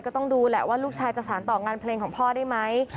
ก็ต้องดูแหละว่าลูกชายจะสารต่องานเพลงของพ่อได้ไหม